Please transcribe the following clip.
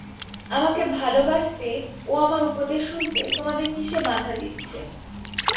আমাকে ভালবাসতে ও আমার উপদেশ শুনতে তোমাদের কিসে বাঁধা দিচ্ছে?